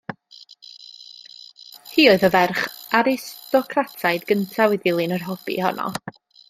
Hi oedd y ferch aristocrataidd gyntaf i ddilyn yr hobi honno.